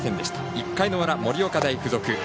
１回の裏、盛岡大付属。